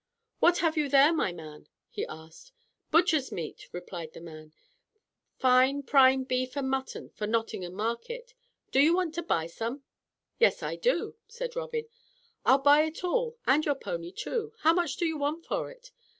"What have you there, my man?" he asked. "Butcher's meat," replied the man. "Fine prime beef and mutton for Nottingham market. Do you want to buy some?" "Yes, I do," said Robin. "I'll buy it all and your pony too. How much do you want for it?